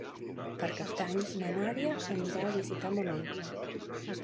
Per Cap d'Any na Nàdia anirà a visitar mon oncle.